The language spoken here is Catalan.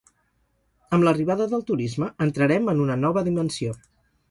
Amb l’arribada del turisme, entrarem en una nova dimensió.